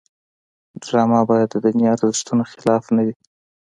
ډرامه باید د دیني ارزښتونو خلاف نه وي